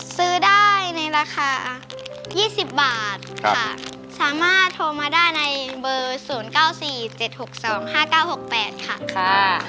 ซื้อได้ในราคา๒๐บาทค่ะสามารถโทรมาได้ในเบอร์๐๙๔๗๖๒๕๙๖๘ค่ะ